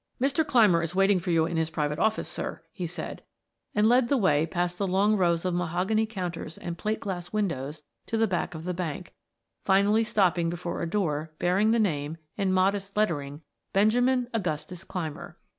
"Mr. Clymer is waiting for you in his private office, sir," he said, and led the way past the long rows of mahogany counters and plate glass windows to the back of the bank, finally stopping before a door bearing the name, in modest lettering BENJAMIN AUGUSTUS CLYMER.